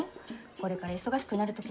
これから忙しくなる時でしょ？